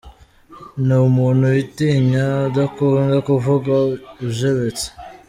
Ni umuntu witinya, udakunda kuvuga, ujebetse .